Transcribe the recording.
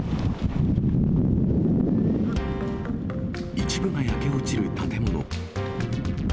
一部が焼け落ちる建物。